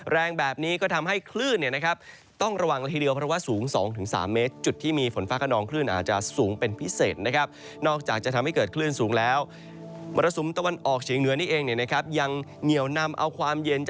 แรงแบบนี้ก็ทำให้คลื่นต้องระวังละทีเดียว